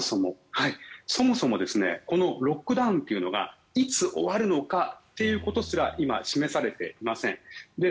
そもそもこのロックダウンというのがいつ終わるのかということすら今、示されていません。